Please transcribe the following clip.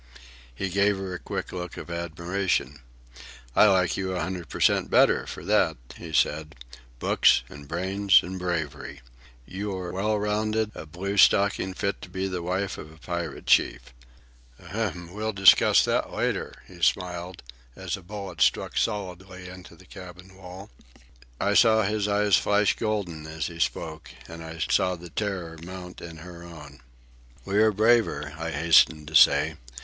He gave her a quick look of admiration. "I like you a hundred per cent. better for that," he said. "Books, and brains, and bravery. You are well rounded, a blue stocking fit to be the wife of a pirate chief. Ahem, we'll discuss that later," he smiled, as a bullet struck solidly into the cabin wall. I saw his eyes flash golden as he spoke, and I saw the terror mount in her own. "We are braver," I hastened to say.